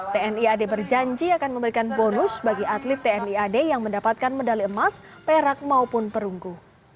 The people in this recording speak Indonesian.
tni ad berjanji akan memberikan bonus bagi atlet tni ad yang mendapatkan medali emas perak maupun perunggu